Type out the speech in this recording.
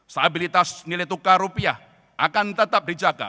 stabilitas nilai tukar rupiah akan tetap dijaga